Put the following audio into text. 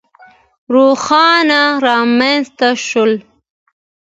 ښارونه رامنځته شول.